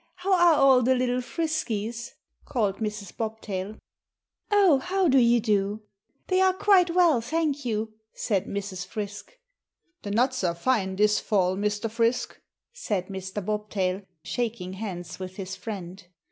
How are all the little Friskies?" called Mrs. Bobtail. "Oh, how do you do! They are quite well, thank you," said Mrs. Frisk. "The nuts are fine this fall, Mr. Frisk," said Mr. Bobtail, shaking hands with his friend.